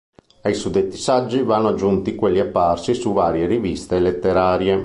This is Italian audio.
Ai suddetti saggi vanno aggiunti quelli apparsi su varie riviste letterarie.